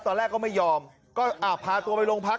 ตอนแรกก็ไม่ยอมก็พาตัวไปโรงพัก